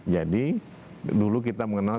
jadi dulu kita mengenal